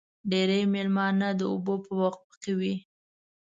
ډېری مېلمانه د اوبو په وقفه کې وي.